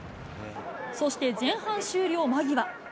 そして前半終了間際。